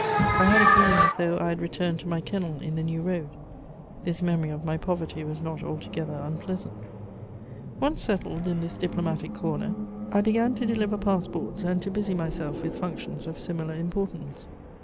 I had a feeling as though I had returned to my kennel in the New Road; this memory of my poverty was not altogether unpleasant. Once settled in this diplomatic corner, I began to deliver pass ports and to busy myself with functions of similar importance.